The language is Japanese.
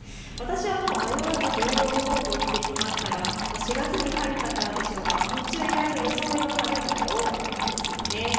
私は迷わず冬用のコートを着てきましたが４月に入ったからでしょうか日中装いの軽い方が多かったです。